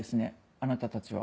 あなたたちは。